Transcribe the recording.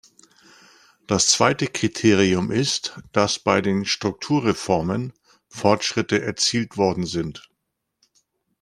Das zweite Kriterium ist, dass bei den Strukturreformen Fortschritte erzielt worden sind.